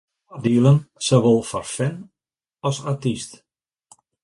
Foardielen, sawol foar fan as artyst.